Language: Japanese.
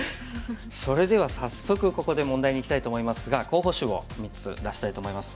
それでは早速ここで問題にいきたいと思いますが候補手を３つ出したいと思います。